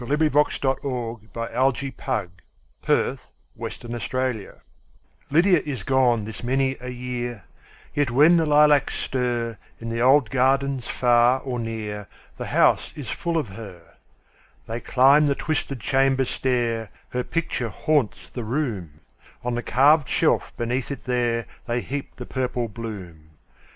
Lizette Woodworth Reese Lydia is gone this many a year LYDIA is gone this many a year, Yet when the lilacs stir, In the old gardens far or near, The house is full of her. They climb the twisted chamber stair; Her picture haunts the room; On the carved shelf beneath it there, They heap the purple bloom.